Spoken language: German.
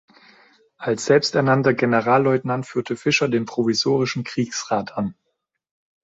Als selbsternannter Generalleutnant führte Fischer den «provisorischen Kriegsrat» an.